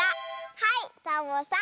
はいサボさん。